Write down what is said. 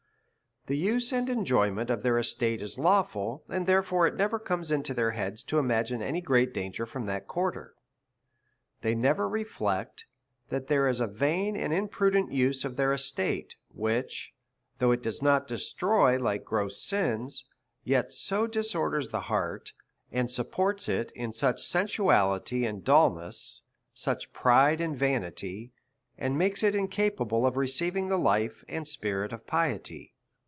The use and enjoyment of their estates is lawful, and therefore it never comes into their heads to imagine any great danger fiom that c[uarter. They never re flect that there is a vain and imprudent use of their es tates, which, though it does not destroy like gross sins, yet so disorders the heart, and supports it in such sen suality and dulness, such pride and vanity, as makes it incapable of receiving the life and spirit of piety.